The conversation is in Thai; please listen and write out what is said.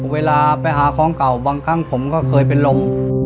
เวลาไปหาของเก่าบางครั้งผมก็เคยเป็นลม